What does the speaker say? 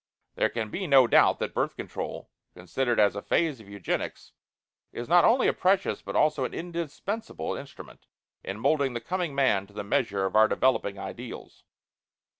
There can be no doubt that Birth Control, considered as a phase of Eugenics, is not only a precious but also an indispensable instrument in moulding the coming man to the measure of our developing ideals.